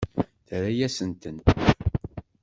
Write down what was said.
Terra-yasent-tent.